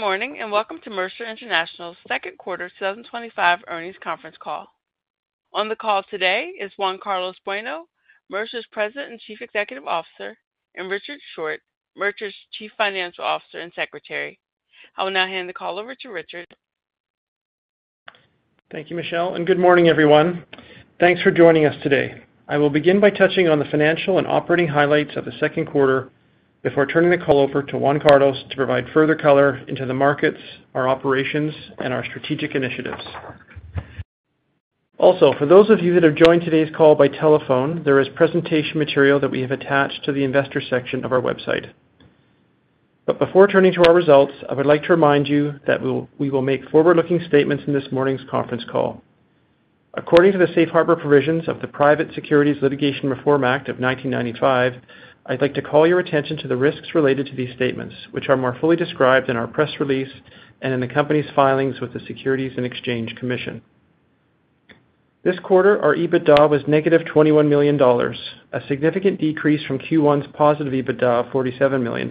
Good morning and welcome to Mercer International's Second Quarter 2025 Earnings Conference Call. On the call today is Juan Carlos Bueno, Mercer's President and Chief Executive Officer, and Richard Short, Mercer's Chief Financial Officer and Secretary. I will now hand the call over to Richard. Thank you, Michelle, and good morning, everyone. Thanks for joining us today. I will begin by touching on the financial and operating highlights of the second quarter before turning the call over to Juan Carlos to provide further color into the markets, our operations, and our strategic initiatives. Also, for those of you that have joined today's call by telephone, there is presentation material that we have attached to the investor section of our website. Before turning to our results, I would like to remind you that we will make forward-looking statements in this morning's conference call. According to the safe harbor provisions of the Private Securities Litigation Reform Act of 1995, I'd like to call your attention to the risks related to these statements, which are more fully described in our press release and in the company's filings with the Securities and Exchange Commission. This quarter, our EBITDA was -$21 million, a significant decrease from Q1's positive EBITDA of $47 million.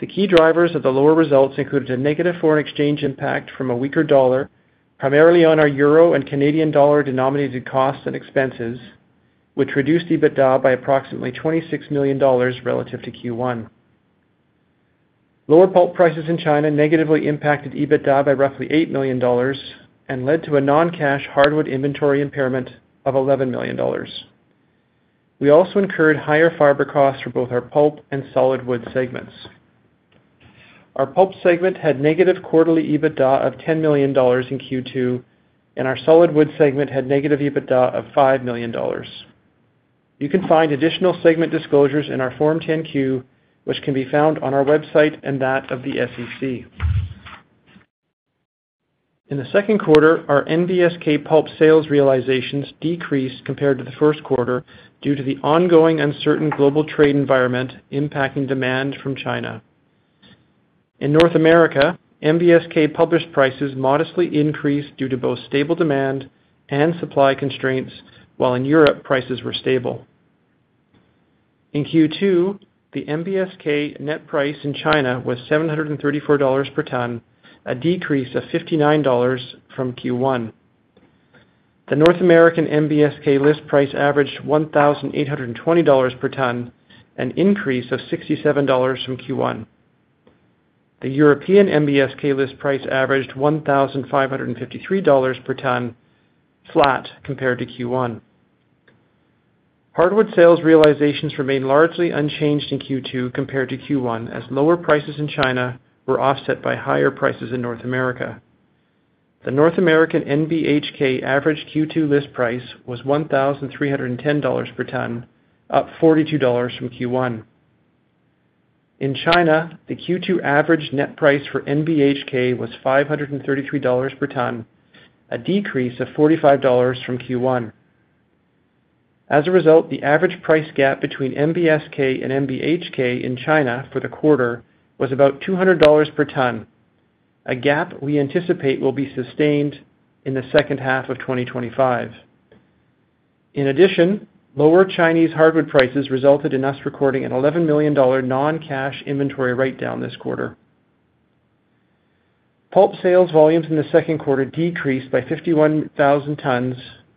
The key drivers of the lower results included a negative foreign exchange impact from a weaker dollar, primarily on our euro and Canadian dollar denominated costs and expenses, which reduced EBITDA by approximately $26 million relative to Q1. Lower pulp prices in China negatively impacted EBITDA by roughly $8 million and led to a non-cash hardwood inventory impairment of $11 million. We also incurred higher fiber costs for both our pulp and solid wood segments. Our pulp segment had a negative quarterly EBITDA of $10 million in Q2, and our solid wood segment had a negative EBITDA of $5 million. You can find additional segment disclosures in our Form 10-Q, which can be found on our website and that of the SEC. In the second quarter, our NBSK pulp sales realizations decreased compared to the first quarter due to the ongoing uncertain global trade environment impacting demand from China. In North America, NBSK published prices modestly increased due to both stable demand and supply constraints, while in Europe prices were stable. In Q2, the NBSK net price in China was $734 per ton, a decrease of $59 from Q1. The North American NBSK list price averaged $1,820 per ton, an increase of $67 from Q1. The European NBSK list price averaged $1,553 per ton, flat compared to Q1. Hardwood sales realizations remained largely unchanged in Q2 compared to Q1, as lower prices in China were offset by higher prices in North America. The North American NBHK average Q2 list price was $1,310 per ton, up $42 from Q1. In China, the Q2 average net price for NBHK was $533 per ton, a decrease of $45 from Q1. As a result, the average price gap between NBSK and NBHK in China for the quarter was about $200 per ton, a gap we anticipate will be sustained in the second half of 2025. In addition, lower Chinese hardwood prices resulted in us recording an $11 million non-cash inventory write-down this quarter. Pulp sales volumes in the second quarter decreased by 51,000 tons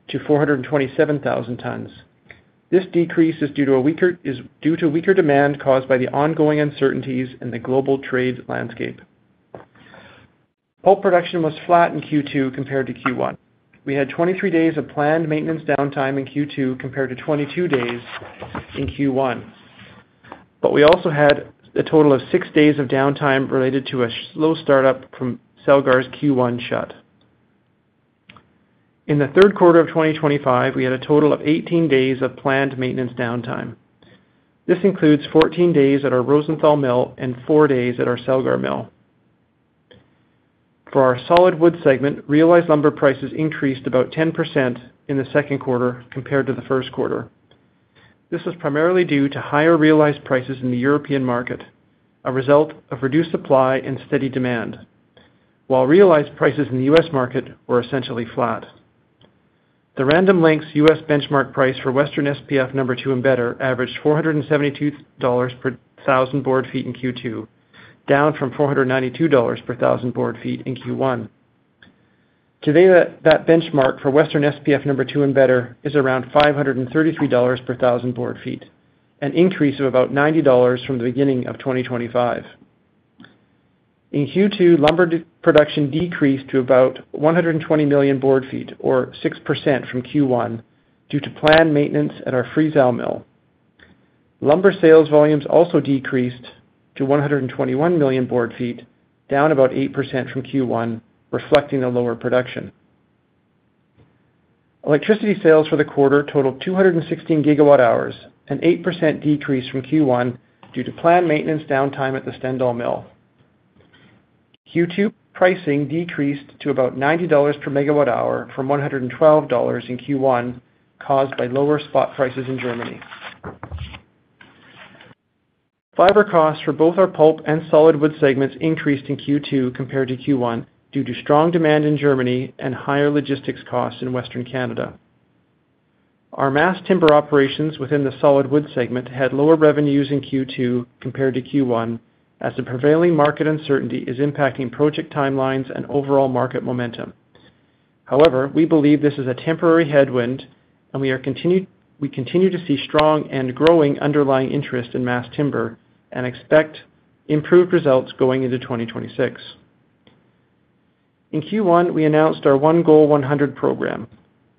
to 427,000 tons. This decrease is due to weaker demand caused by the ongoing uncertainties in the global trade landscape. Pulp production was flat in Q2 compared to Q1. We had 23 days of planned maintenance downtime in Q2 compared to 22 days in Q1, but we also had a total of six days of downtime related to a slow startup from Selgar's Q1 shut. In the third quarter of 2025, we had a total of 18 days of planned maintenance downtime. This includes 14 days at our Rosenthal mill and four days at our Selgar mill. For our solid wood segment, realized lumber prices increased about 10% in the second quarter compared to the first quarter. This was primarily due to higher realized prices in the European market, a result of reduced supply and steady demand, while realized prices in the U.S. market were essentially flat. The Random Lengths U.S. benchmark price for Western SPF No. 2 Embedders averaged $472 per 1000 board feet in Q2, down from $492 per 1000 board feet in Q1. Today, that benchmark for Western SPF No. 2 Embedders is around $533 per 1000 board feet, an increase of about $90 from the beginning of 2025. In Q2, lumber production decreased to about 120 million board feet, or 6% from Q1, due to planned maintenance at our Friesau mill. Lumber sales volumes also decreased to 121 million board feet, down about 8% from Q1, reflecting a lower production. Electricity sales for the quarter totaled 216 GWh, an 8% decrease from Q1 due to planned maintenance downtime at the Stendal mill. Q2 pricing decreased to about $90 per megawatt-hour from $112 in Q1, caused by lower spot prices in Germany. Fiber costs for both our pulp and solid wood segments increased in Q2 compared to Q1 due to strong demand in Germany and higher logistics costs in Western Canada. Our mass timber operations within the solid wood segment had lower revenues in Q2 compared to Q1, as the prevailing market uncertainty is impacting project timelines and overall market momentum. However, we believe this is a temporary headwind, and we continue to see strong and growing underlying interest in mass timber and expect improved results going into 2026. In Q1, we announced our One Goal 100 program.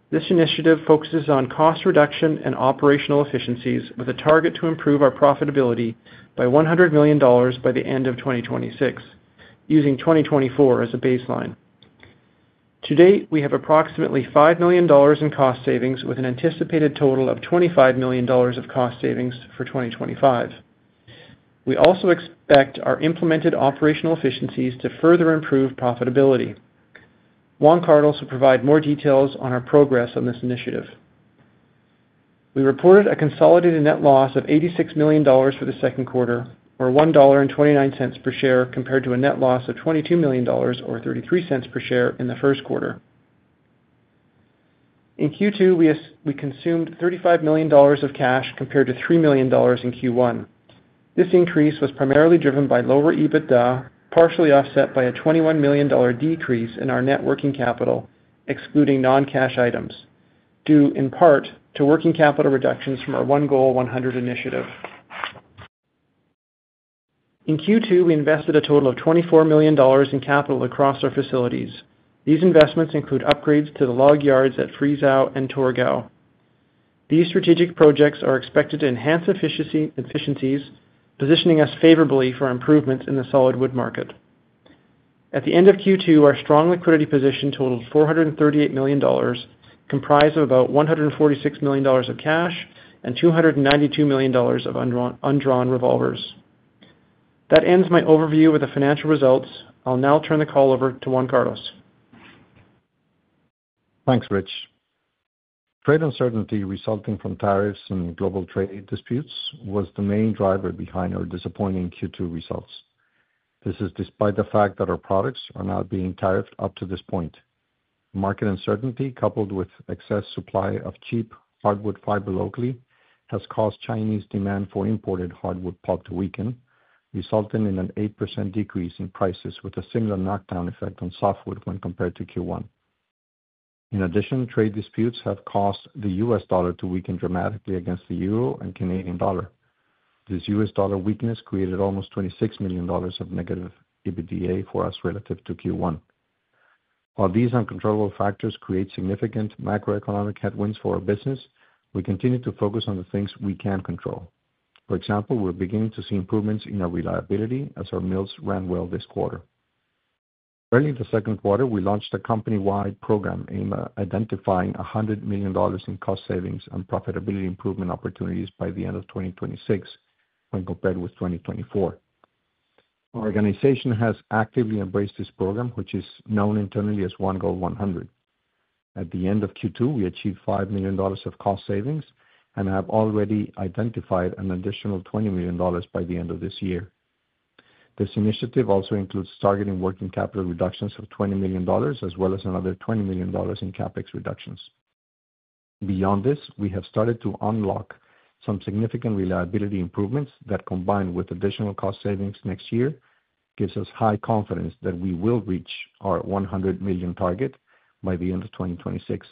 This initiative focuses on cost reduction and operational efficiencies, with a target to improve our profitability by $100 million by the end of 2026, using 2024 as a baseline. To date, we have approximately $5 million in cost savings, with an anticipated total of $25 million of cost savings for 2025. We also expect our implemented operational efficiencies to further improve profitability. Juan Carlos will provide more details on our progress on this initiative. We reported a consolidated net loss of $86 million for the second quarter, or $1.29 per share, compared to a net loss of $22 million, or $0.33 per share in the first quarter. In Q2, we consumed $35 million of cash compared to $3 million in Q1. This increase was primarily driven by lower EBITDA, partially offset by a $21 million decrease in our net working capital, excluding non-cash items, due in part to working capital reductions from our One Goal 100 initiative. In Q2, we invested a total of $24 million in capital across our facilities. These investments include upgrades to the log yards at Friesau and Torgau. These strategic projects are expected to enhance efficiencies, positioning us favorably for improvements in the solid wood market. At the end of Q2, our strong liquidity position totaled $438 million, comprised of about $146 million of cash and $292 million of undrawn revolvers. That ends my overview of the financial results. I'll now turn the call over to Juan Carlos. Thanks, Rich. Trade uncertainty resulting from tariffs and global trade disputes was the main driver behind our disappointing Q2 results. This is despite the fact that our products are now being tariffed up to this point. Market uncertainty, coupled with excess supply of cheap hardwood fiber locally, has caused Chinese demand for imported hardwood pulp to weaken, resulting in an 8% decrease in prices, with a similar knockdown effect on softwood when compared to Q1. In addition, trade disputes have caused the U.S. dollar to weaken dramatically against the euro and Canadian dollar. This U.S. dollar weakness created almost $26 million of negative EBITDA for us relative to Q1. While these uncontrollable factors create significant macroeconomic headwinds for our business, we continue to focus on the things we can control. For example, we're beginning to see improvements in our reliability as our mills ran well this quarter. Early in the second quarter, we launched a company-wide program aimed at identifying $100 million in cost savings and profitability improvement opportunities by the end of 2026 when compared with 2024. Our organization has actively embraced this program, which is known internally as One Goal 100. At the end of Q2, we achieved $5 million of cost savings and have already identified an additional $20 million by the end of this year. This initiative also includes targeting working capital reductions of $20 million, as well as another $20 million in CapEx reductions. Beyond this, we have started to unlock some significant reliability improvements that, combined with additional cost savings next year, give us high confidence that we will reach our $100 million target by the end of 2026.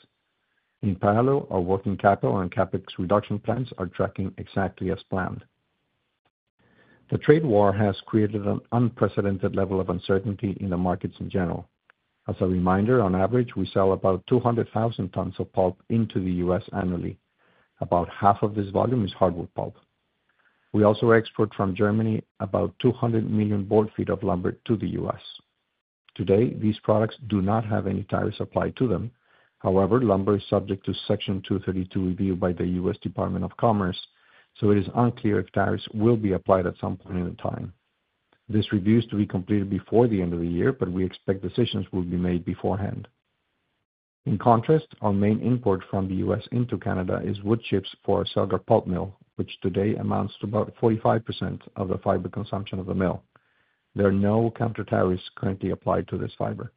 In parallel, our working capital and CapEx reduction plans are tracking exactly as planned. The trade war has created an unprecedented level of uncertainty in the markets in general. As a reminder, on average, we sell about 200,000 tons of pulp into the U.S. annually. About half of this volume is hardwood pulp. We also export from Germany about 200 million board feet of lumber to the U.S. Today, these products do not have any tariffs applied to them. However, lumber is subject to Section 232 review by the U.S. Department of Commerce, so it is unclear if tariffs will be applied at some point in time. This review is to be completed before the end of the year, but we expect decisions will be made beforehand. In contrast, our main import from the U.S. into Canada is wood chips for our Celgar pulp mill, which today amounts to about 45% of the fiber consumption of the mill. There are no counter tariffs currently applied to this fiber.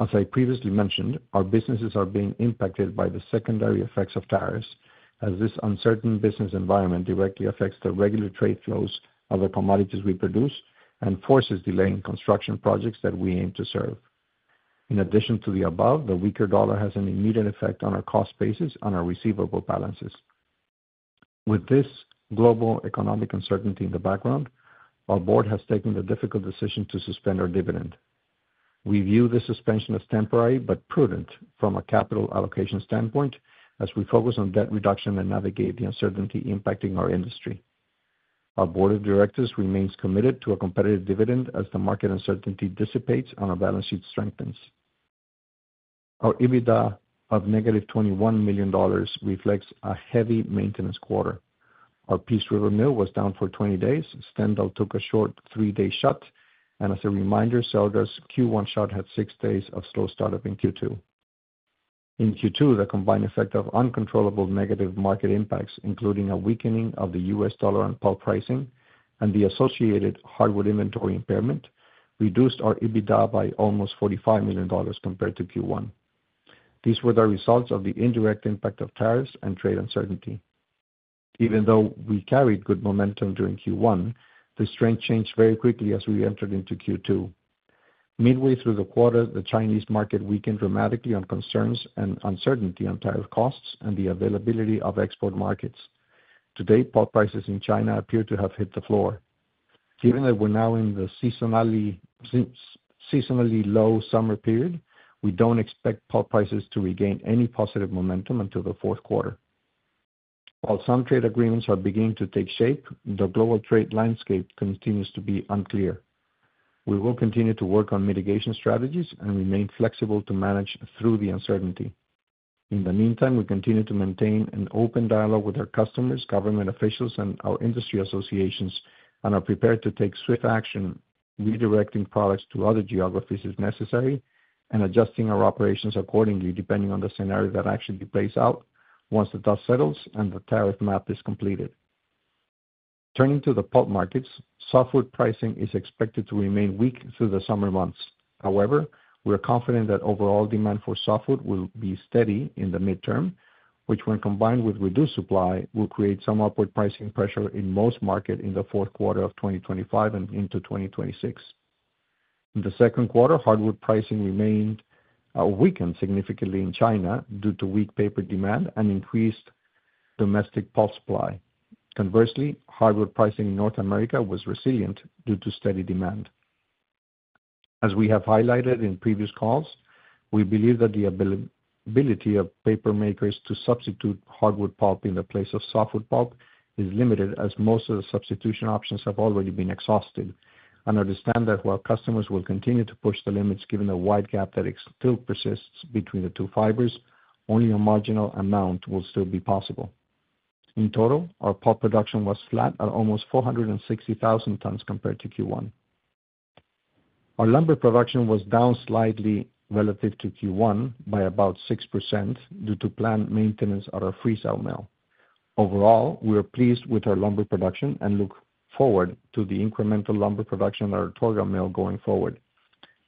As I previously mentioned, our businesses are being impacted by the secondary effects of tariffs, as this uncertain business environment directly affects the regular trade flows of the commodities we produce and forces delay in construction projects that we aim to serve. In addition to the above, the weaker dollar has an immediate effect on our cost basis and our receivable balances. With this global economic uncertainty in the background, our Board has taken the difficult decision to suspend our dividend. We view this suspension as temporary but prudent from a capital allocation standpoint, as we focus on debt reduction and navigate the uncertainty impacting our industry. Our Board of Directors remains committed to a competitive dividend as the market uncertainty dissipates and our balance sheet strengthens. Our EBITDA of -$21 million reflects a heavy maintenance quarter. Our Peace River mill was down for 20 days. Stendal took a short three-day shut, and as a reminder, Celgar's Q1 shut had six days of slow startup in Q2. In Q2, the combined effect of uncontrollable negative market impacts, including a weakening of the U.S. dollar and pulp pricing and the associated hardwood inventory impairment, reduced our EBITDA by almost $45 million compared to Q1. These were the results of the indirect impact of tariffs and trade uncertainty. Even though we carried good momentum during Q1, the strain changed very quickly as we entered into Q2. Midway through the quarter, the Chinese market weakened dramatically on concerns and uncertainty on tariff costs and the availability of export markets. Today, pulp prices in China appear to have hit the floor. Given that we're now in the seasonally low summer period, we don't expect pulp prices to regain any positive momentum until the fourth quarter. While some trade agreements are beginning to take shape, the global trade landscape continues to be unclear. We will continue to work on mitigation strategies and remain flexible to manage through the uncertainty. In the meantime, we continue to maintain an open dialogue with our customers, government officials, and our industry associations, and are prepared to take swift action, redirecting products to other geographies if necessary, and adjusting our operations accordingly, depending on the scenario that actually plays out once the dust settles and the tariff map is completed. Turning to the pulp markets, softwood pricing is expected to remain weak through the summer months. However, we are confident that overall demand for softwood will be steady in the mid-term, which, when combined with reduced supply, will create some upward pricing pressure in most markets in the fourth quarter of 2025 and into 2026. In the second quarter, hardwood pricing remained weakened significantly in China due to weak paper demand and increased domestic pulp supply. Conversely, hardwood pricing in North America was resilient due to steady demand. As we have highlighted in previous calls, we believe that the ability of paper makers to substitute hardwood pulp in the place of softwood pulp is limited, as most of the substitution options have already been exhausted. Understand that while customers will continue to push the limits, given the wide gap that still persists between the two fibers, only a marginal amount will still be possible. In total, our pulp production was flat at almost 460,000 tons compared to Q1. Our lumber production was down slightly relative to Q1 by about 6% due to planned maintenance at our Friesau mill. Overall, we are pleased with our lumber production and look forward to the incremental lumber production at our Torgau mill going forward.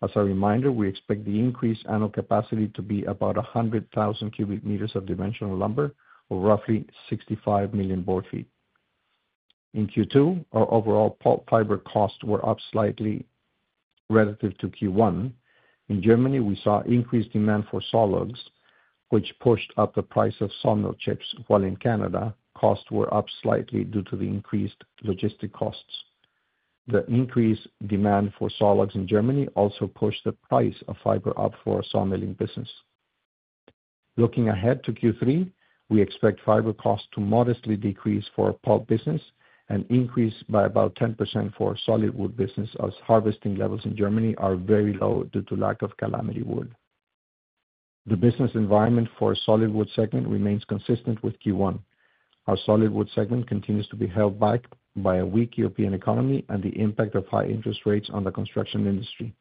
As a reminder, we expect the increased annual capacity to be about 100,000 cu m of dimensional lumber, or roughly 65 million board feet. In Q2, our overall pulp fiber costs were up slightly relative to Q1. In Germany, we saw increased demand for sawlogs, which pushed up the price of sawmill chips, while in Canada, costs were up slightly due to the increased logistics costs. The increased demand for sawlogs in Germany also pushed the price of fiber up for sawmilling business. Looking ahead to Q3, we expect fiber costs to modestly decrease for pulp business and increase by about 10% for solid wood business, as harvesting levels in Germany are very low due to lack of calamity wood. The business environment for our solid wood segment remains consistent with Q1. Our solid wood segment continues to be held back by a weak European economy and the impact of high interest rates on the construction industry,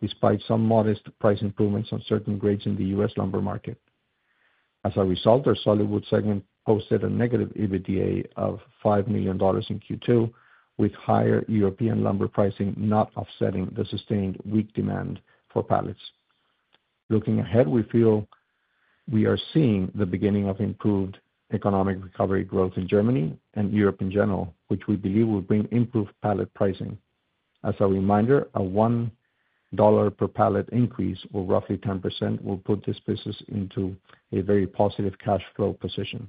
despite some modest price improvements on certain grades in the U.S. lumber market. As a result, our solid wood segment posted a negative EBITDA of $5 million in Q2, with higher European lumber pricing not offsetting the sustained weak demand for pallets. Looking ahead, we feel we are seeing the beginning of improved economic recovery growth in Germany and Europe in general, which we believe will bring improved pallet pricing. As a reminder, a $1 per pallet increase, or roughly 10%, will put this business into a very positive cash flow position.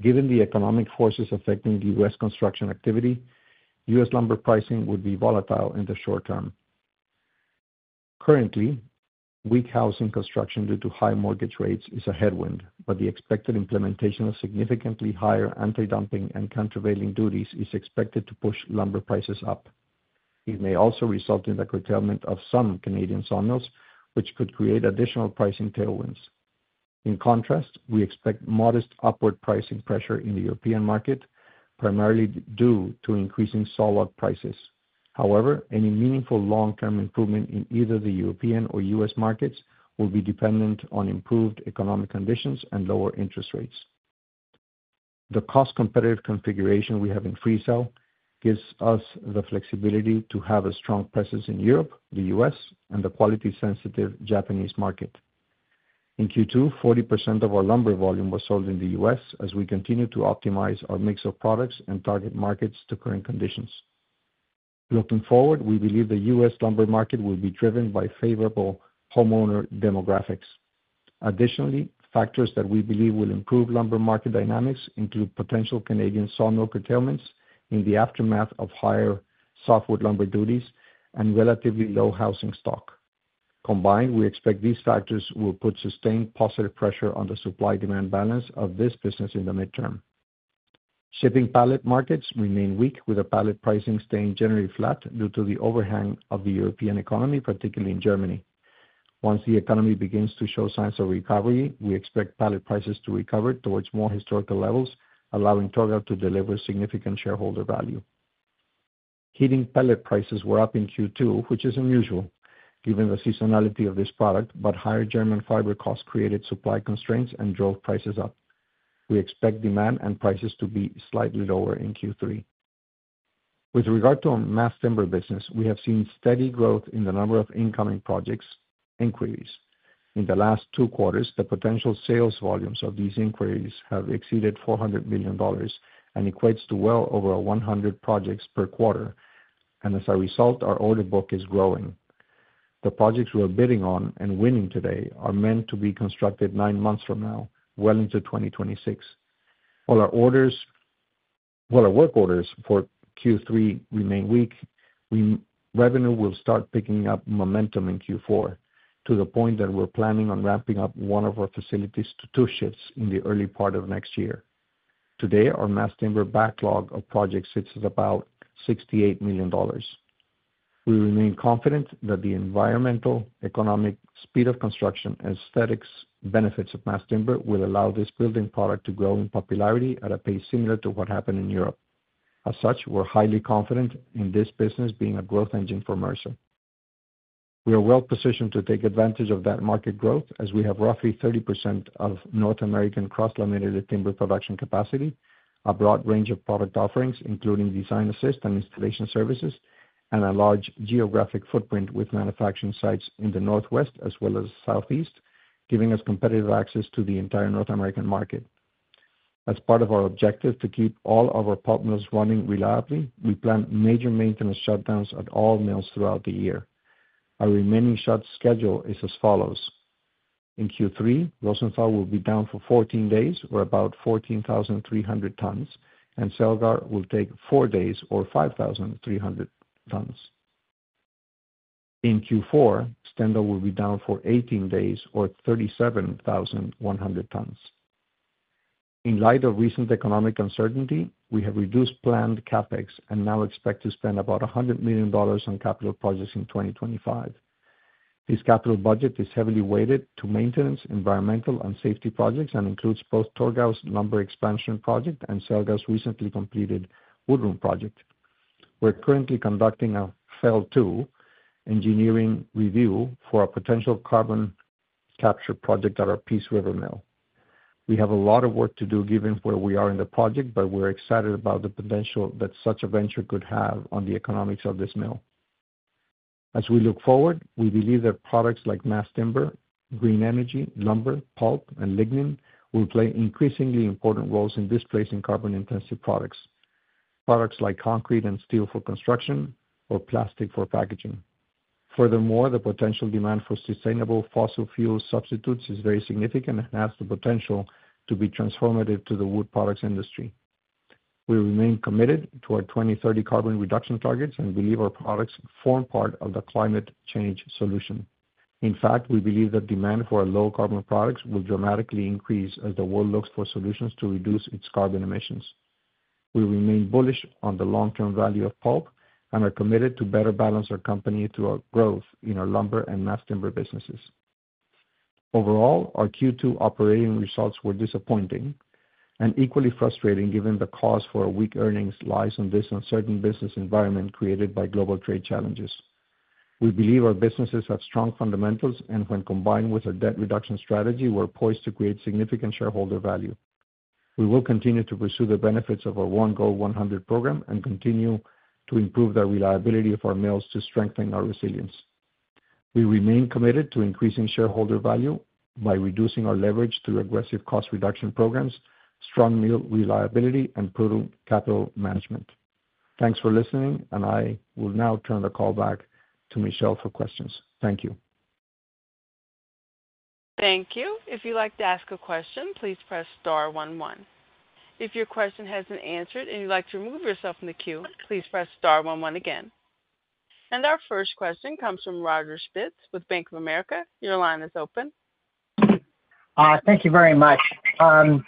Given the economic forces affecting the U.S. construction activity, U.S. lumber pricing would be volatile in the short term. Currently, weak housing construction due to high mortgage rates is a headwind, but the expected implementation of significantly higher anti-dumping and countervailing duties is expected to push lumber prices up. It may also result in the curtailment of some Canadian sawmills, which could create additional pricing tailwinds. In contrast, we expect modest upward pricing pressure in the European market, primarily due to increasing solid wood prices. However, any meaningful long-term improvement in either the European or U.S. markets will be dependent on improved economic conditions and lower interest rates. The cost-competitive configuration we have in Friesau gives us the flexibility to have a strong presence in Europe, the U.S., and the quality-sensitive Japanese market. In Q2, 40% of our lumber volume was sold in the U.S., as we continue to optimize our mix of products and target markets to current conditions. Looking forward, we believe the U.S. lumber market will be driven by favorable homeowner demographics. Additionally, factors that we believe will improve lumber market dynamics include potential Canadian sawmill curtailments in the aftermath of higher softwood lumber duties and relatively low housing stock. Combined, we expect these factors will put sustained positive pressure on the supply-demand balance of this business in the midterm. Shipping pallet markets remain weak, with the pallet pricing staying generally flat due to the overhang of the European economy, particularly in Germany. Once the economy begins to show signs of recovery, we expect pallet prices to recover towards more historical levels, allowing Torgau to deliver significant shareholder value. Heating pallet prices were up in Q2, which is unusual given the seasonality of this product, but higher German fiber costs created supply constraints and drove prices up. We expect demand and prices to be slightly lower in Q3. With regard to our mass timber business, we have seen steady growth in the number of incoming projects and queries. In the last two quarters, the potential sales volumes of these inquiries have exceeded $400 million and equate to well over 100 projects per quarter. As a result, our order book is growing. The projects we're bidding on and winning today are meant to be constructed nine months from now, well into 2026. While our work orders for Q3 remain weak, revenue will start picking up momentum in Q4 to the point that we're planning on ramping up one of our facilities to two shifts in the early part of next year. Today, our mass timber backlog of projects sits at about $68 million. We remain confident that the environmental, economic speed of construction, aesthetics, and benefits of mass timber will allow this building product to grow in popularity at a pace similar to what happened in Europe. As such, we're highly confident in this business being a growth engine for Mercer. We are well positioned to take advantage of that market growth, as we have roughly 30% of North American cross-laminated timber production capacity, a broad range of product offerings, including design assist and installation services, and a large geographic footprint with manufacturing sites in the Northwest as well as Southeast, giving us competitive access to the entire North American market. As part of our objective to keep all of our pulp mills running reliably, we plan major maintenance shutdowns at all mills throughout the year. Our remaining shut schedule is as follows: In Q3, Rosenthal will be down for 14 days, or about 14,300 tons, and Celgar will take four days, or 5,300 tons. In Q4, Stendal will be down for 18 days, or 37,100 tons. In light of recent economic uncertainty, we have reduced planned CapEx and now expect to spend about $100 million on capital projects in 2025. This capital budget is heavily weighted to maintenance, environmental, and safety projects and includes both Torgau's lumber expansion project and Celgar's recently completed woodroom project. We're currently conducting a FEL II engineering review for a potential carbon capture project at our Peace River mill. We have a lot of work to do given where we are in the project, but we're excited about the potential that such a venture could have on the economics of this mill. As we look forward, we believe that products like mass timber, green energy, lumber, pulp, and lignin will play increasingly important roles in displacing carbon-intensive products, products like concrete and steel for construction or plastic for packaging. Furthermore, the potential demand for sustainable fossil fuel substitutes is very significant and has the potential to be transformative to the wood products industry. We remain committed to our 2030 carbon reduction targets and believe our products form part of the climate change solution. In fact, we believe that demand for our low carbon products will dramatically increase as the world looks for solutions to reduce its carbon emissions. We remain bullish on the long-term value of pulp and are committed to better balance our company throughout growth in our lumber and mass timber businesses. Overall, our Q2 operating results were disappointing and equally frustrating given the cause for our weak earnings lies in this uncertain business environment created by global trade challenges. We believe our businesses have strong fundamentals and, when combined with a debt reduction strategy, we're poised to create significant shareholder value. We will continue to pursue the benefits of our One Goal 100 program and continue to improve the reliability of our mills to strengthen our resilience. We remain committed to increasing shareholder value by reducing our leverage through aggressive cost reduction programs, strong mill reliability, and prudent capital management. Thanks for listening, and I will now turn the call back to Michelle for questions. Thank you. Thank you. If you'd like to ask a question, please press star one one. If your question has been answered and you'd like to remove yourself from the queue, please press star one one again. Our first question comes from Roger Spitz with Bank of America. Your line is open. Thank you very much. Can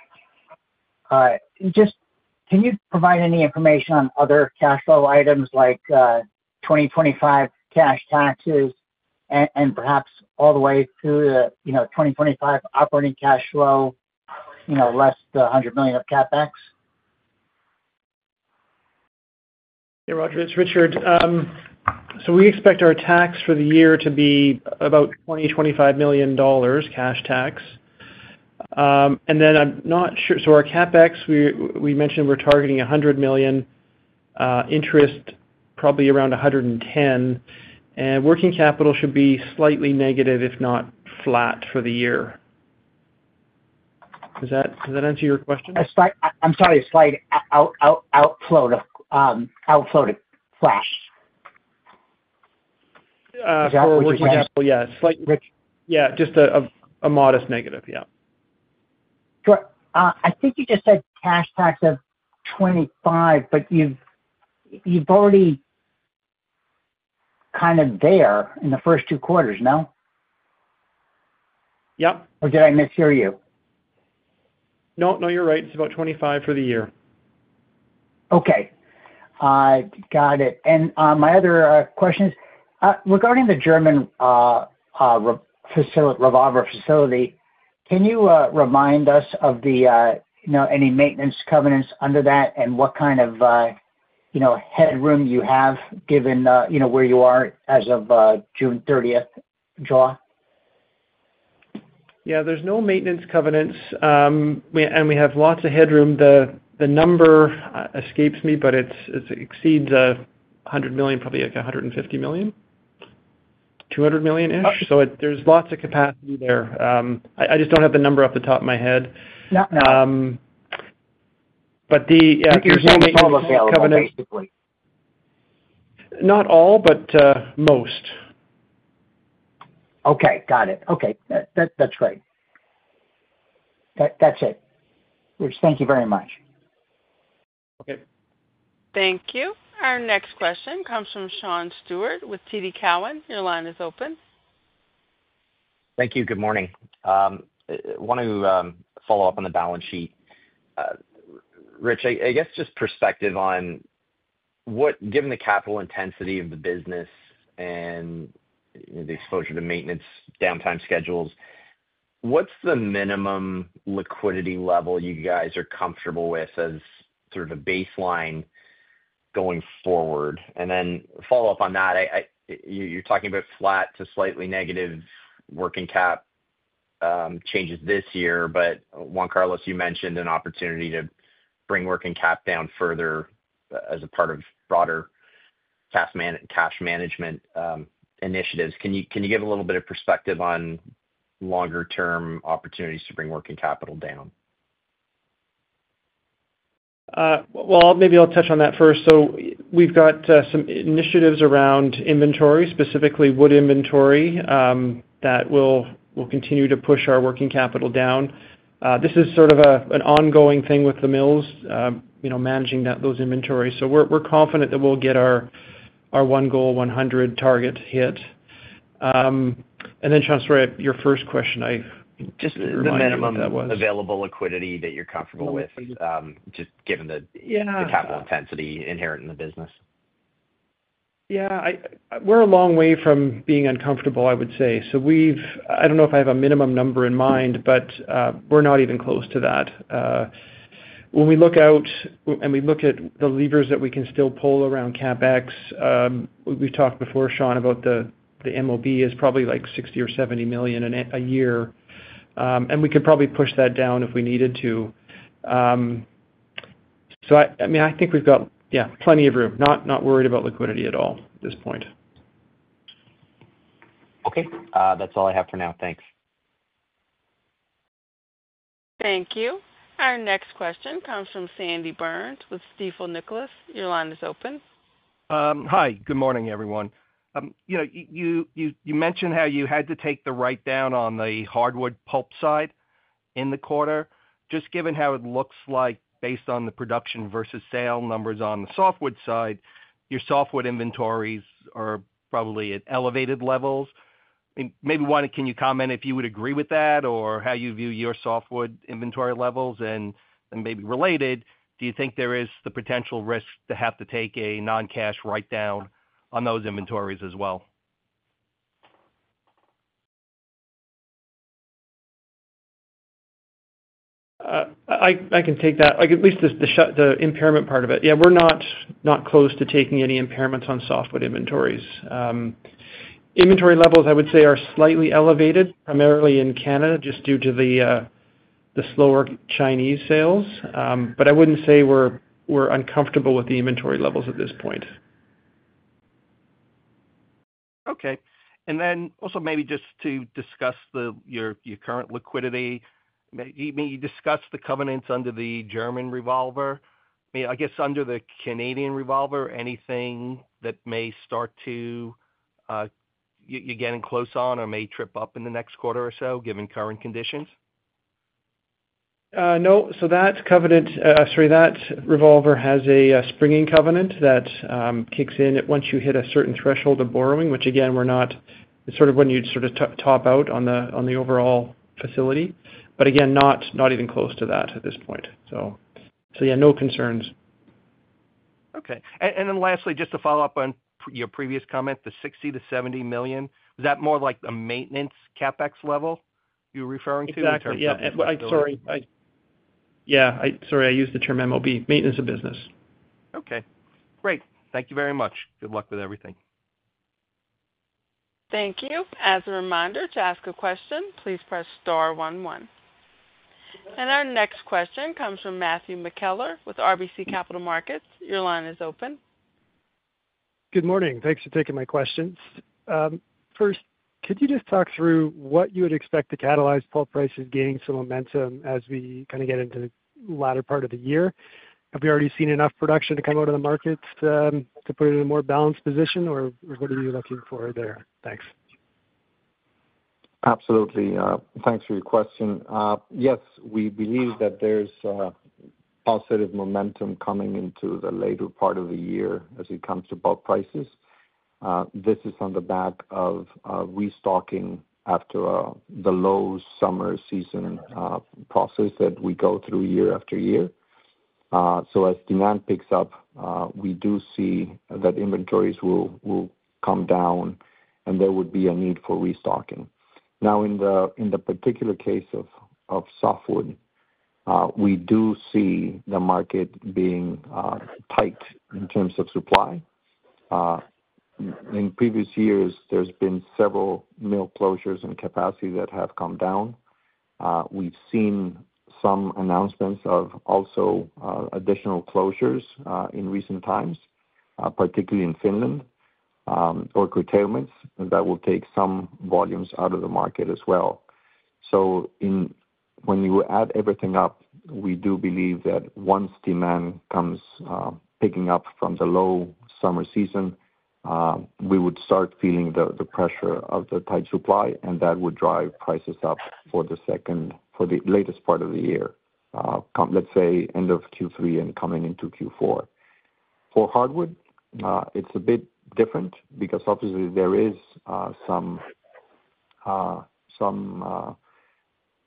you provide any information on other cash flow items like the 2025 cash taxes and perhaps all the way through the 2025 operating cash flow, less than $100 million of CapEx? Yeah, Roger, it's Richard. We expect our tax for the year to be about $20 million, 25 million cash tax. I'm not sure, our CapEx, we mentioned we're targeting $100 million, interest probably around $110 million, and working capital should be slightly negative, if not flat, for the year. Does that answer your question? I'm sorry, slight outflow to cash. Exactly. Just a modest negative. Sure. I think you just said cash tax of $25 million, but you've already kind of there in the first two quarters, no? Yep. Or did I mishear you? No, you're right. It's about $25 million for the year. Okay. Got it. My other question is regarding the German revolver facility. Can you remind us of the, you know, any maintenance covenants under that and what kind of, you know, headroom you have given, you know, where you are as of June 30th, July? Yeah, there's no maintenance covenants, and we have lots of headroom. The number escapes me, but it exceeds $100 million, probably like $150 million, $200 million-ish. There's lots of capacity there. I just don't have the number off the top of my head. Yeah, yeah. But the. So no sales basically? Not all, but most. Okay. Got it. Okay. That's great. That's it. Thank you very much. Okay. Thank you. Our next question comes from Sean Steuart with TD Cowen. Your line is open. Thank you. Good morning. I want to follow up on the balance sheet. Rich, I guess just perspective on what, given the capital intensity of the business and the exposure to maintenance downtime schedules, what's the minimum liquidity level you guys are comfortable with as sort of a baseline going forward? You're talking about flat to slightly negative working cap changes this year, but Juan Carlos, you mentioned an opportunity to bring working cap down further as a part of broader cash management initiatives. Can you give a little bit of perspective on longer-term opportunities to bring working capital down? We've got some initiatives around inventory, specifically wood inventory, that will continue to push our working capital down. This is sort of an ongoing thing with the mills, you know, managing those inventories. We're confident that we'll get our One Goal 100 target hit. Sean, sorry, your first question. Just the minimum available liquidity that you're comfortable with, just given the capital intensity inherent in the business. Yeah, we're a long way from being uncomfortable, I would say. We've, I don't know if I have a minimum number in mind, but we're not even close to that. When we look out and we look at the levers that we can still pull around CapEx, we've talked before, Sean, about the MOB is probably like $60 million or $70 million a year. We could probably push that down if we needed to. I think we've got, yeah, plenty of room. Not worried about liquidity at all at this point. Okay, that's all I have for now. Thanks. Thank you. Our next question comes from Sandy Burns with Stifel Nicolaus. Your line is open. Hi. Good morning, everyone. You mentioned how you had to take the write-down on the hardwood pulp side in the quarter. Just given how it looks like based on the production versus sale numbers on the softwood side, your softwood inventories are probably at elevated levels. Maybe, one, can you comment if you would agree with that or how you view your softwood inventory levels, and maybe related, do you think there is the potential risk to have to take a non-cash write-down on those inventories as well? I can take that, at least the impairment part of it. Yeah, we're not close to taking any impairments on softwood inventories. Inventory levels, I would say, are slightly elevated, primarily in Canada, just due to the slower Chinese sales. I wouldn't say we're uncomfortable with the inventory levels at this point. Okay. Maybe just to discuss your current liquidity, maybe you discuss the covenants under the German revolver. I mean, I guess under the Canadian revolver, anything that may start to, you're getting close on or may trip up in the next quarter or so, given current conditions? That revolver has a springing covenant that kicks in once you hit a certain threshold of borrowing, which again, we're not, it's sort of when you sort of top out on the overall facility. Not even close to that at this point. No concerns. Okay. Lastly, just to follow up on your previous comment, the $60 million-$70 million, was that more like a maintenance CapEx level you were referring to? Exactly. Sorry, I used the term MOB, maintenance of business. Okay. Great. Thank you very much. Good luck with everything. Thank you. As a reminder, to ask a question, please press star one one. Our next question comes from Matthew McKellar with RBC Capital Markets. Your line is open. Good morning. Thanks for taking my questions. First, could you just talk through what you would expect to catalyze pulp prices gaining some momentum as we kind of get into the latter part of the year? Have we already seen enough production to come out of the markets to put it in a more balanced position, or what are you looking for there? Thanks. Absolutely. Thanks for your question. Yes, we believe that there's positive momentum coming into the later part of the year as it comes to pulp prices. This is on the back of restocking after the low summer season process that we go through year after year. As demand picks up, we do see that inventories will come down and there would be a need for restocking. Now, in the particular case of softwood, we do see the market being tight in terms of supply. In previous years, there's been several mill closures and capacity that have come down. We've seen some announcements of also additional closures in recent times, particularly in Finland, or curtailments that will take some volumes out of the market as well. When you add everything up, we do believe that once demand comes picking up from the low summer season, we would start feeling the pressure of the tight supply, and that would drive prices up for the second, for the latest part of the year, let's say end of Q3 and coming into Q4. For hardwood, it's a bit different because obviously there is some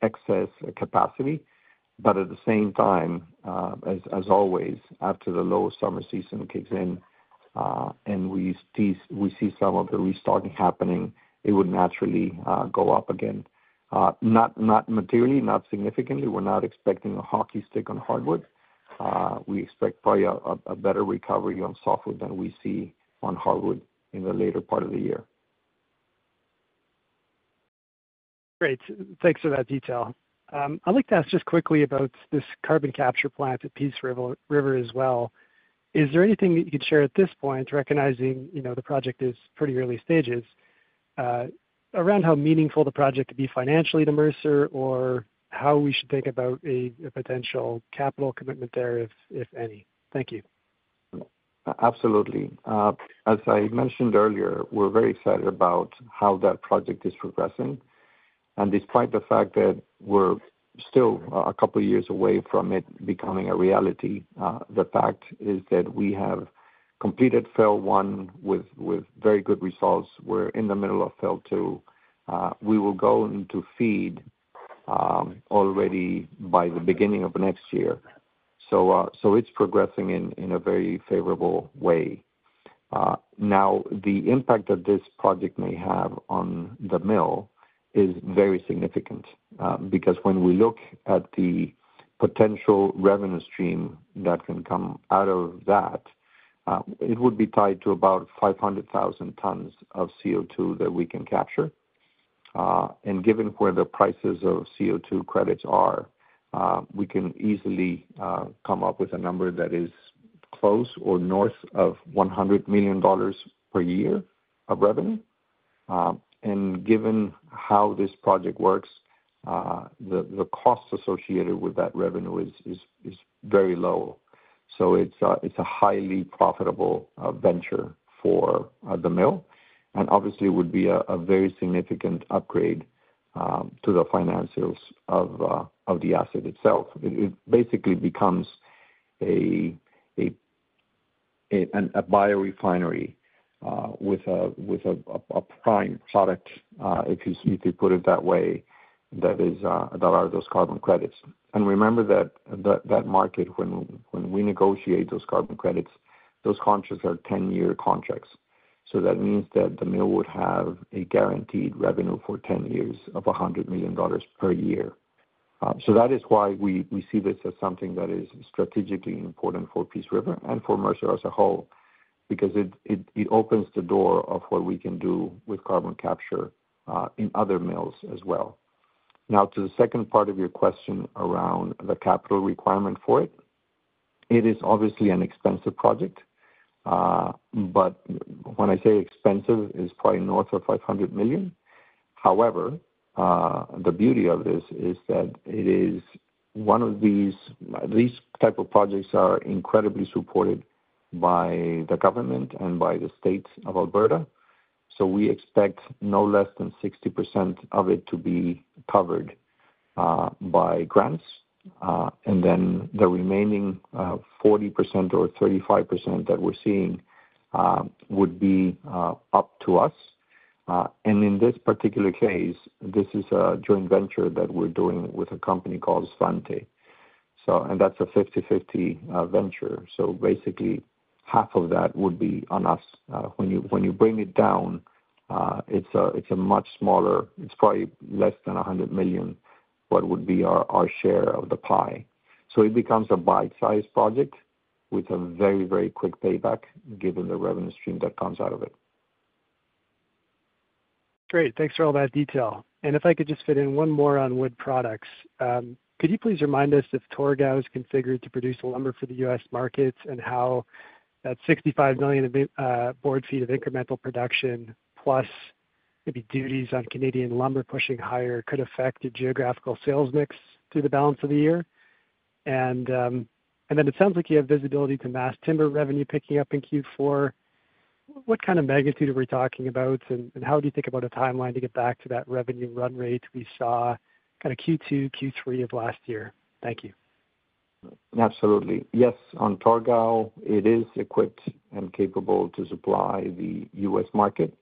excess capacity. At the same time, as always, after the low summer season kicks in and we see some of the restocking happening, it would naturally go up again. Not materially, not significantly. We're not expecting a hockey stick on hardwood. We expect probably a better recovery on softwood than we see on hardwood in the later part of the year. Great. Thanks for that detail. I'd like to ask just quickly about this carbon capture plant at Peace River as well. Is there anything that you could share at this point, recognizing the project is pretty early stages, around how meaningful the project could be financially to Mercer or how we should think about a potential capital commitment there, if any? Thank you. Absolutely. As I mentioned earlier, we're very excited about how that project is progressing. Despite the fact that we're still a couple of years away from it becoming a reality, the fact is that we have completed FEL I with very good results. We're in the middle of FEL II. We will go into FEED already by the beginning of next year. It's progressing in a very favorable way. Now, the impact that this project may have on the mill is very significant because when we look at the potential revenue stream that can come out of that, it would be tied to about 500,000 tons of CO2 that we can capture. Given where the prices of CO2 credits are, we can easily come up with a number that is close or north of $100 million per year of revenue. Given how this project works, the costs associated with that revenue are very low. It's a highly profitable venture for the mill. Obviously, it would be a very significant upgrade to the financials of the asset itself. It basically becomes a biorefinery with a prime product, if you could put it that way, that is a lot of those carbon credits. Remember that that market, when we negotiate those carbon credits, those contracts are 10-year contracts. That means that the mill would have a guaranteed revenue for 10 years of $100 million per year. That is why we see this as something that is strategically important for Peace River and for Mercer as a whole, because it opens the door of what we can do with carbon capture in other mills as well. Now, to the second part of your question around the capital requirement for it, it is obviously an expensive project. When I say expensive, it's probably north of $500 million. The beauty of this is that it is one of these types of projects that are incredibly supported by the government and by the state of Alberta. We expect no less than 60% of it to be covered by grants. The remaining 40% or 35% that we're seeing would be up to us. In this particular case, this is a joint venture that we're doing with a company called Svante. That's a 50/50 venture. Basically, half of that would be on us. When you bring it down, it's a much smaller, it's probably less than $100 million what would be our share of the pie. It becomes a bite-sized project with a very, very quick payback given the revenue stream that comes out of it. Great. Thanks for all that detail. If I could just fit in one more on wood products, could you please remind us if Torgau is configured to produce the lumber for the U.S. markets, and how that 65 million board feet of incremental production plus maybe duties on Canadian lumber pushing higher could affect your geographical sales mix through the balance of the year? It sounds like you have visibility to mass timber revenue picking up in Q4. What kind of magnitude are we talking about, and how do you think about a timeline to get back to that revenue run rate we saw kind of Q2, Q3 of last year? Thank you. Absolutely. Yes, on Torgau, it is equipped and capable to supply the U.S. market.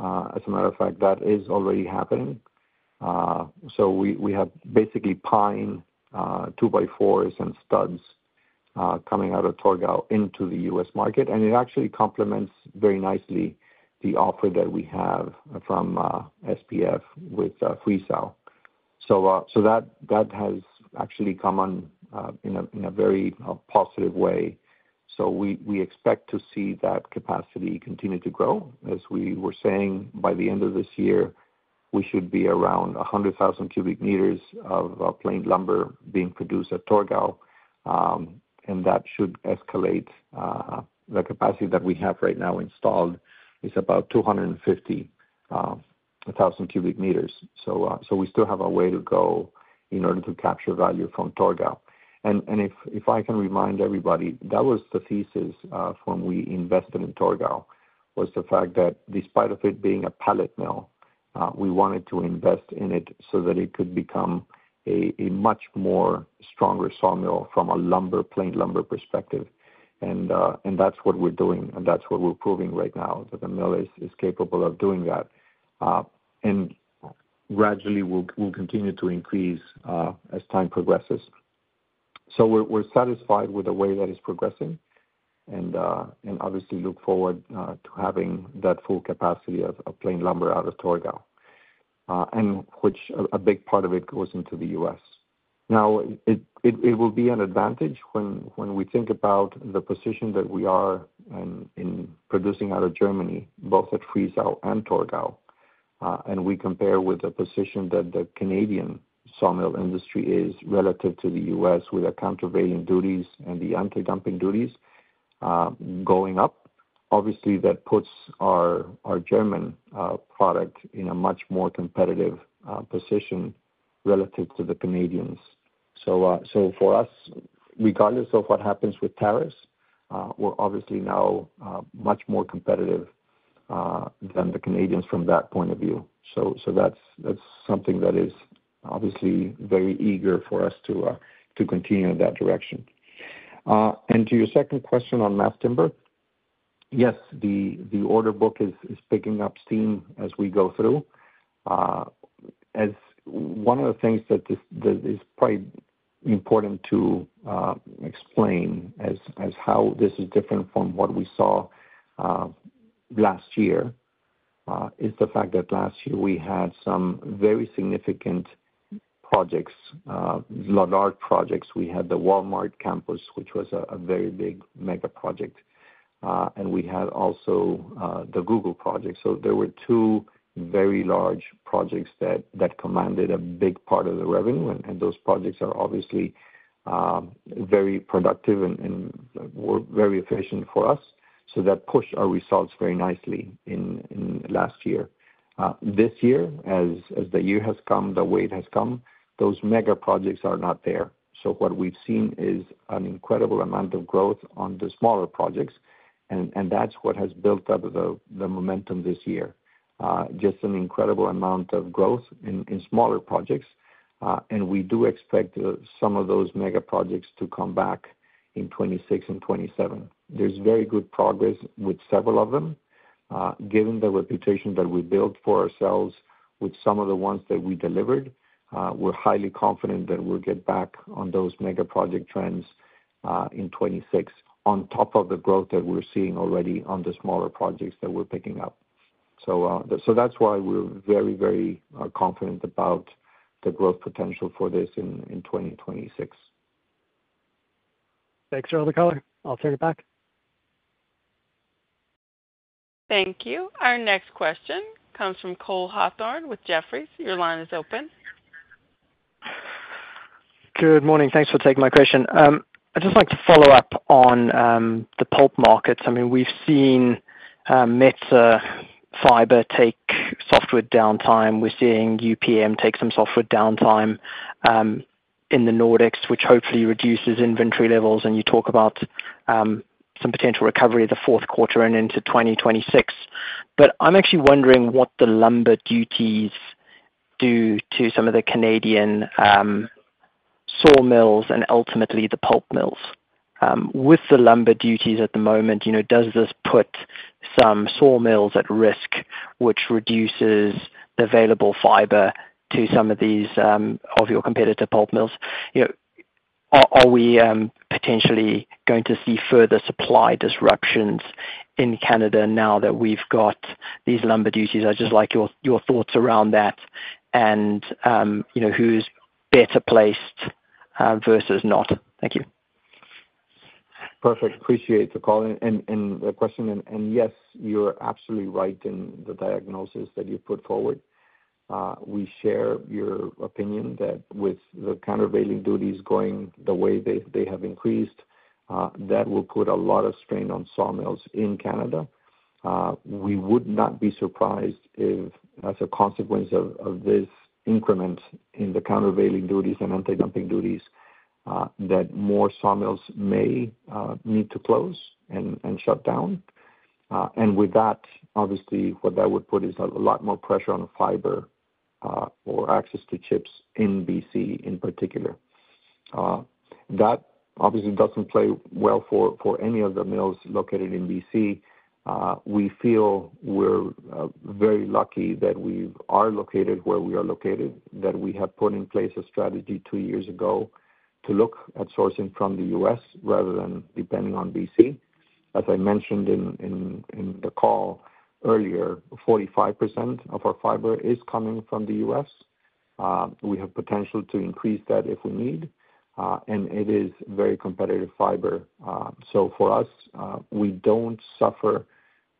As a matter of fact, that is already happening. We have basically pine 2x4s and studs coming out of Torgau into the U.S. market. It actually complements very nicely the offer that we have from SPF with Friesau. That has actually come on in a very positive way. We expect to see that capacity continue to grow. As we were saying, by the end of this year, we should be around 100,000 cu m of plain lumber being produced at Torgau, and that should escalate. The capacity that we have right now installed is about 250,000 cu m. We still have a way to go in order to capture value from Torgau. If I can remind everybody, that was the thesis when we invested in Torgau, the fact that despite it being a pallet mill, we wanted to invest in it so that it could become a much stronger sawmill from a plain lumber perspective. That's what we're doing, and that's what we're proving right now, that the mill is capable of doing that. Gradually, we'll continue to increase as time progresses. We're satisfied with the way that it's progressing and obviously look forward to having that full capacity of plain lumber out of Torgau, and a big part of it goes into the U.S. It will be an advantage when we think about the position that we are in producing out of Germany, both at Friesau and Torgau. We compare with the position that the Canadian sawmill industry is relative to the U.S. with the countervailing duties and the anti-dumping duties going up. Obviously, that puts our German product in a much more competitive position relative to the Canadians. For us, regardless of what happens with tariffs, we're obviously now much more competitive than the Canadians from that point of view. That is something that is obviously very eager for us to continue in that direction. To your second question on mass timber, yes, the order book is picking up steam as we go through. One of the things that is probably important to explain as how this is different from what we saw last year is the fact that last year we had some very significant projects, large projects. We had the Walmart campus, which was a very big mega project, and we had also the Google project. There were two very large projects that commanded a big part of the revenue. Those projects are obviously very productive and were very efficient for us. That pushed our results very nicely last year. This year, as the year has come the way it has come, those mega projects are not there. What we've seen is an incredible amount of growth on the smaller projects, and that's what has built up the momentum this year. Just an incredible amount of growth in smaller projects. We do expect some of those mega projects to come back in 2026 and 2027. There's very good progress with several of them. Given the reputation that we built for ourselves with some of the ones that we delivered, we're highly confident that we'll get back on those mega project trends in 2026, on top of the growth that we're seeing already on the smaller projects that we're picking up. That's why we're very, very confident about the growth potential for this in 2026. Thanks for the color. I'll turn it back. Thank you. Our next question comes from Cole Hathorn with Jefferies. Your line is open. Good morning. Thanks for taking my question. I'd just like to follow up on the pulp markets. I mean, we've seen Meta Fiber take some downtime. We're seeing UPM take some downtime in the Nordics, which hopefully reduces inventory levels. You talk about some potential recovery of the fourth quarter and into 2026. I'm actually wondering what the lumber duties do to some of the Canadian sawmills and ultimately the pulp mills. With the lumber duties at the moment, does this put some sawmills at risk, which reduces the available fiber to some of your competitor pulp mills? Are we potentially going to see further supply disruptions in Canada now that we've got these lumber duties? I'd just like your thoughts around that and who's better placed versus not. Thank you. Perfect. Appreciate the call and the question. Yes, you're absolutely right in the diagnosis that you put forward. We share your opinion that with the countervailing duties going the way they have increased, that will put a lot of strain on sawmills in Canada. We would not be surprised if, as a consequence of this increment in the countervailing duties and anti-dumping duties, more sawmills may need to close and shut down. With that, obviously, what that would put is a lot more pressure on fiber or access to chips in BC in particular. That obviously doesn't play well for any of the mills located in BC. We feel we're very lucky that we are located where we are located, that we have put in place a strategy two years ago to look at sourcing from the U.S. rather than depending on BC. As I mentioned in the call earlier, 45% of our fiber is coming from the U.S. We have potential to increase that if we need. It is very competitive fiber. For us, we don't suffer.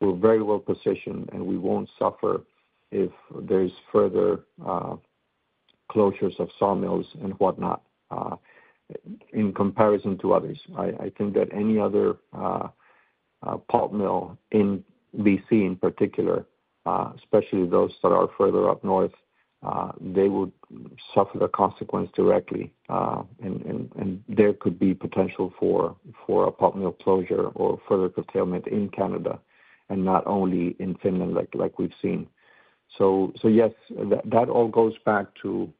We're very well positioned, and we won't suffer if there are further closures of sawmills and whatnot in comparison to others. I think that any other pulp mill in BC in particular, especially those that are further up north, would suffer the consequence directly. There could be potential for a pulp mill closure or further curtailment in Canada and not only in Finland like we've seen. That all goes back to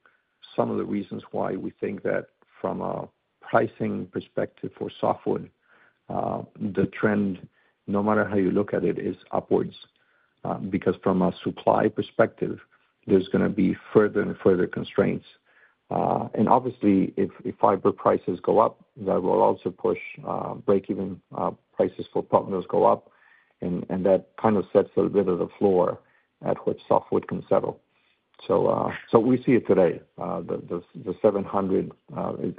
some of the reasons why we think that from a pricing perspective for softwood, the trend, no matter how you look at it, is upwards because from a supply perspective, there's going to be further and further constraints. Obviously, if fiber prices go up, that will also push break-even prices for pulp mills to go up. That kind of sets a little bit of the floor at which softwood can settle. We see it today. The $700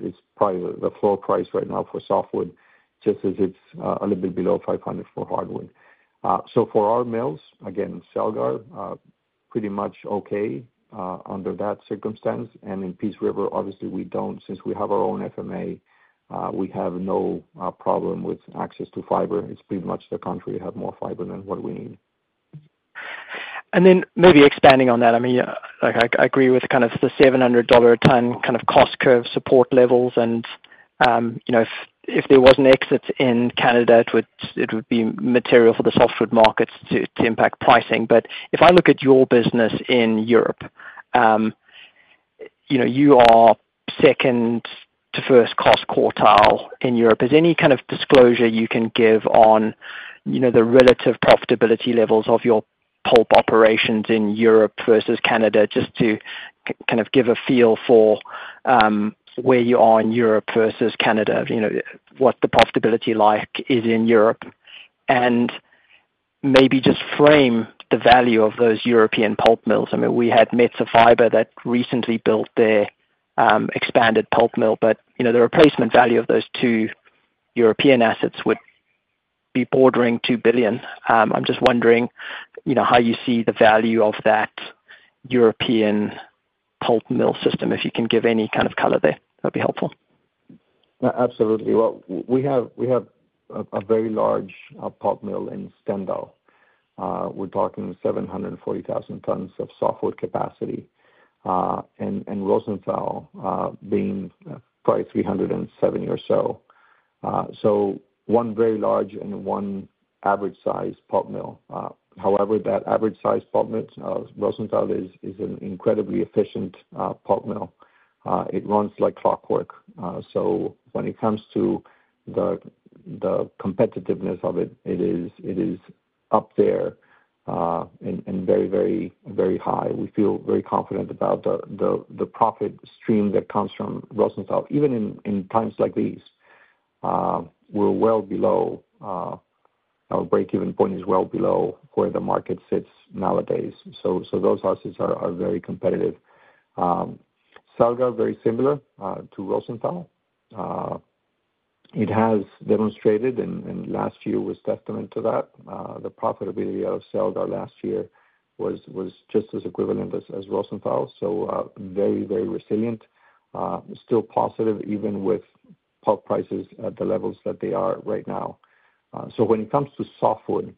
is probably the floor price right now for softwood, just as it's a little bit below $500 for hardwood. For our mills, again, Selgar, pretty much okay under that circumstance. In Peace River, obviously, we don't, since we have our own FMA, we have no problem with access to fiber. It's pretty much the country has more fiber than what we need. Maybe expanding on that, I agree with kind of the $700 a ton kind of cost curve support levels. If there was an exit in Canada, it would be material for the softwood markets to impact pricing. If I look at your business in Europe, you are second to first cost quartile in Europe. Is there any kind of disclosure you can give on the relative profitability levels of your pulp operations in Europe versus Canada, just to kind of give a feel for where you are in Europe versus Canada, what the profitability like is in Europe? Maybe just frame the value of those European pulp mills. We had Meta Fiber that recently built their expanded pulp mill, but the replacement value of those two European assets would be bordering $2 billion. I'm just wondering how you see the value of that European pulp mill system. If you can give any kind of color there, that'd be helpful. Absolutely. We have a very large pulp mill in Stendal. We're talking 740,000 tons of softwood capacity, and Rosenthal being probably 307,000 or so. One very large and one average-sized pulp mill. However, that average-sized pulp mill, Rosenthal, is an incredibly efficient pulp mill. It runs like clockwork. When it comes to the competitiveness of it, it is up there and very, very, very high. We feel very confident about the profit stream that comes from Rosenthal. Even in times like these, our break-even point is well below where the market sits nowadays. Those assets are very competitive. Selgar, very similar to Rosenthal. It has demonstrated, and last year was a testament to that. The profitability out of Selgar last year was just as equivalent as Rosenthal. Very, very resilient. Still positive, even with pulp prices at the levels that they are right now. When it comes to softwood,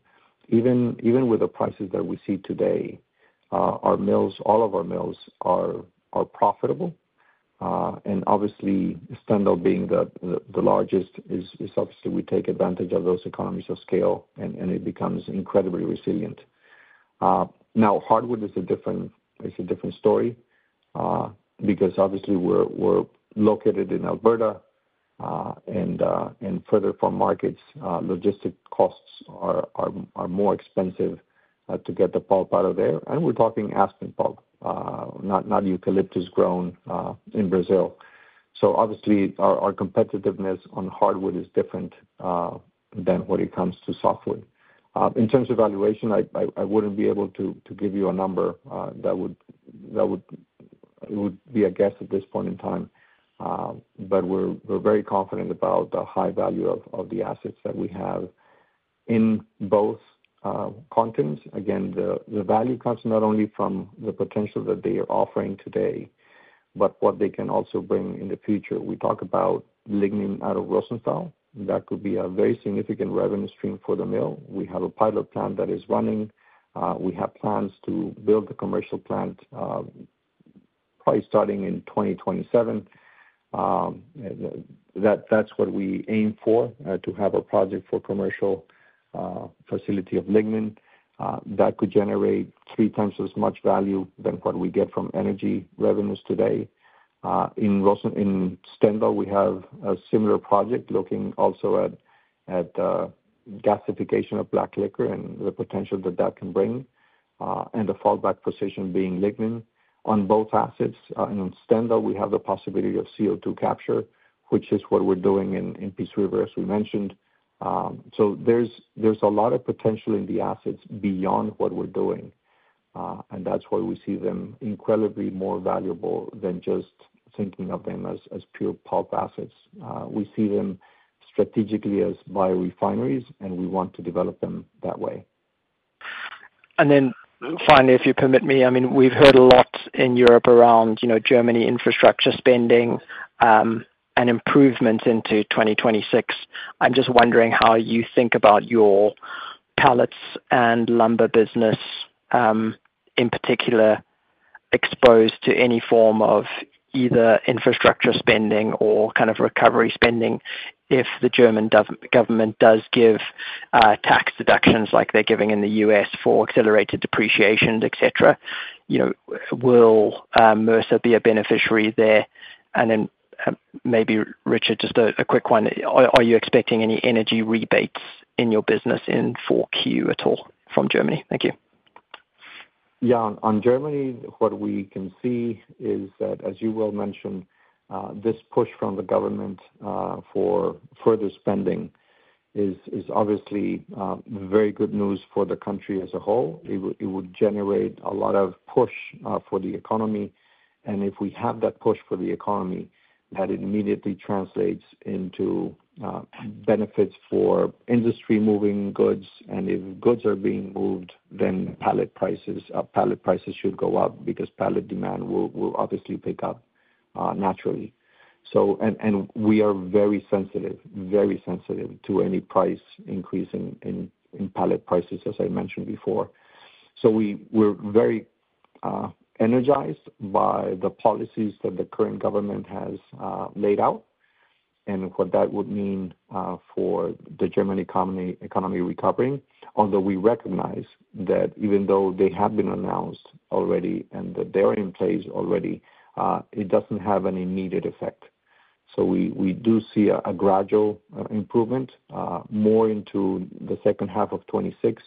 even with the prices that we see today, all of our mills are profitable. Stendal being the largest, we take advantage of those economies of scale, and it becomes incredibly resilient. Now, hardwood is a different story because we're located in Alberta, and further from markets, logistic costs are more expensive to get the pulp out of there. We're talking aspen pulp, not eucalyptus grown in Brazil. Our competitiveness on hardwood is different than when it comes to softwood. In terms of evaluation, I wouldn't be able to give you a number. That would be a guess at this point in time. We're very confident about the high value of the assets that we have in both continents. The value comes not only from the potential that they are offering today, but what they can also bring in the future. We talk about lignin out of Rosenthal. That could be a very significant revenue stream for the mill. We have a pilot plant that is running. We have plans to build the commercial plant probably starting in 2027. That's what we aim for, to have a project for commercial facility of lignin. That could generate three times as much value than what we get from energy revenues today. In Stendal, we have a similar project looking also at gasification of black liquor and the potential that that can bring, and the fallback position being lignin on both assets. In Stendal, we have the possibility of CO2 capture, which is what we're doing in Peace River, as we mentioned. There's a lot of potential in the assets beyond what we're doing. That's why we see them incredibly more valuable than just thinking of them as pure pulp assets. We see them strategically as biorefineries, and we want to develop them that way. Finally, if you permit me, we've heard a lot in Europe around Germany infrastructure spending and improvements into 2026. I'm just wondering how you think about your pallets and lumber business, in particular, exposed to any form of either infrastructure spending or kind of recovery spending if the German government does give tax deductions like they're giving in the U.S. for accelerated depreciation, etc. You know, will Mercer be a beneficiary there? Maybe, Richard, just a quick one. Are you expecting any energy rebates in your business in 4Q at all from Germany? Thank you. Yeah, on Germany, what we can see is that, as you well mentioned, this push from the government for further spending is obviously very good news for the country as a whole. It would generate a lot of push for the economy. If we have that push for the economy, that immediately translates into benefits for industry moving goods. If goods are being moved, then pallet prices should go up because pallet demand will obviously pick up naturally. We are very sensitive, very sensitive to any price increase in pallet prices, as I mentioned before. We are very energized by the policies that the current government has laid out and what that would mean for the German economy recovering. Although we recognize that even though they have been announced already and that they're in place already, it doesn't have an immediate effect. We do see a gradual improvement more into the second half of 2026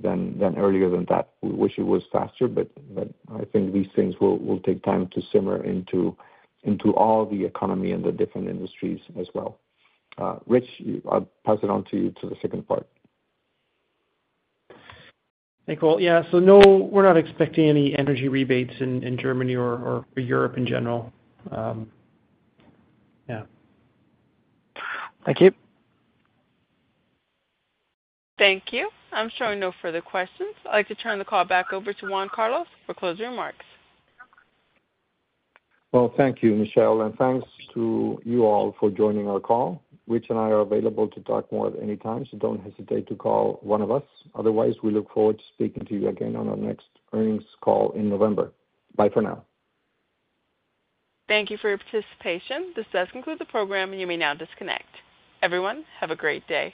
than earlier than that. We wish it was faster, but I think these things will take time to simmer into all the economy and the different industries as well. Rich, I'll pass it on to you to the second part. Thanks, Cole. Yeah, we're not expecting any energy rebates in Germany or Europe in general. Yeah. Thank you. Thank you. I'm showing no further questions. I'd like to turn the call back over to Juan Carlos for closing remarks. Thank you, Michelle, and thanks to you all for joining our call. Rich and I are available to talk more at any time, so don't hesitate to call one of us. Otherwise, we look forward to speaking to you again on our next earnings call in November. Bye for now. Thank you for your participation. This does conclude the program, and you may now disconnect. Everyone, have a great day.